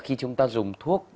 khi chúng ta dùng thuốc